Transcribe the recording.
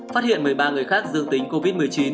phát hiện một mươi ba người khác dương tính covid một mươi chín